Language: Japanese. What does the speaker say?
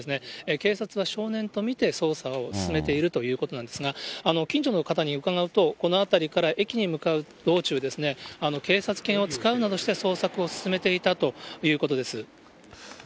警察は少年と見て捜査を進めているということなんですが、近所の方に伺うと、この辺りから駅に向かう道中ですね、警察犬を使うなどして、捜索を進めていたということです。